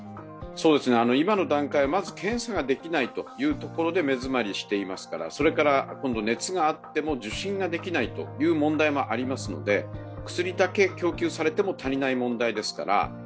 今の段階はまず検査ができないというところで目詰まりしていますからそれから、熱があっても受診ができないという問題もありますので薬だけ供給されても足りない問題ですから